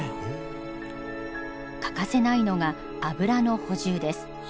欠かせないのが油の補充です。